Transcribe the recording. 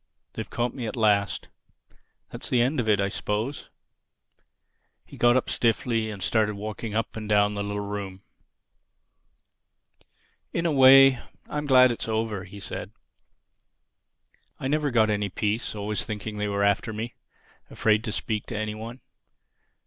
They've caught me at last. That's the end of it, I suppose." He got up stiffly and started walking up and down the little room. "In a way I'm glad it's over," said he. "I never got any peace, always thinking they were after me—afraid to speak to anyone.